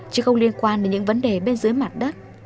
chứ không liên quan đến những vấn đề bên dưới mặt đất